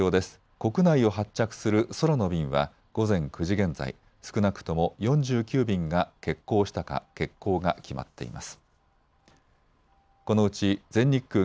国内を発着する空の便は午前９時現在、少なくとも４９便が欠航したか欠航が決まっています。